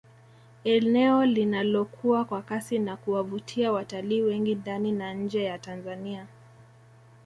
Eneo linalokua kwa kasi na kuwavutia watalii wengi ndani na nje ya Tanzania